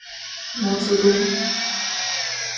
毛泽东